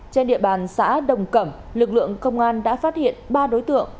trên địa bàn xã đồng cẩm lực lượng công an đã phát hiện ba đối tượng